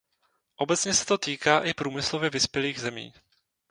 Obecně se to týká i průmyslově vyspělých zemí.